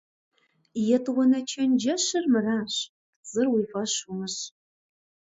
ЕтӀуанэ чэнджэщыр мыращ: пцӀыр уи фӀэщ умыщӀ.